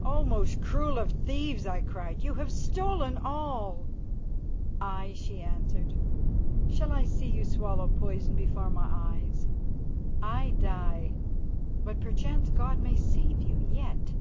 "Oh! most cruel of thieves," I cried, "you have stolen all." "Aye," she answered. "Shall I see you swallow poison before my eyes? I die, but perchance God may save you yet."